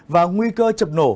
và nguy cơ chập nổ